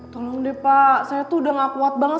tolong deh pak saya tuh udah gak kuat banget